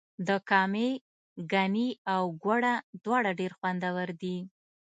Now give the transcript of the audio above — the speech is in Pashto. د کامې ګني او ګوړه دواړه ډیر خوندور دي.